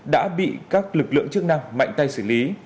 đã bị các lực lượng chức năng mạnh tay xử lý